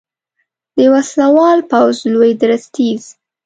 د وسلوال پوځ لوی درستیز